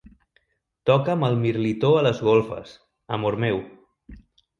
Toca'm el mirlitó a les golfes, amor meu.